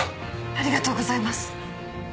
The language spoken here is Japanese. ありがとうございます！